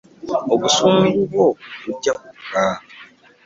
Obusungu bwo bujja kukka.